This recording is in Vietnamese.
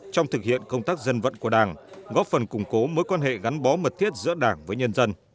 trong thực hiện công tác dân vận của đảng góp phần củng cố mối quan hệ gắn bó mật thiết giữa đảng với nhân dân